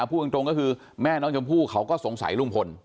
พูดตรงก็คือแม่น้องชมพู่เขาก็สงสัยลุงพล